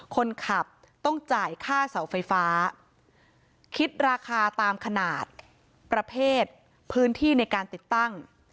คนขับต้องจ่ายค่าเสาไฟฟ้าคิดราคาตามขนาดประเภทพื้นที่ในการติดตั้ง